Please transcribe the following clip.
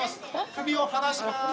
首を離します。